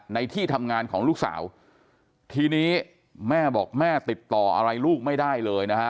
ที่ทำงานของลูกสาวทีนี้แม่บอกแม่ติดต่ออะไรลูกไม่ได้เลยนะฮะ